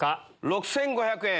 ６５００円。